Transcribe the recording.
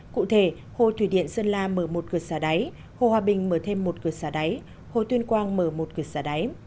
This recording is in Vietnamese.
cụ thể hồ thủy điện sơn la mở một cửa xả đáy hồ hòa bình mở thêm một cửa xả đáy hồ tuyên quang mở một cửa xả đáy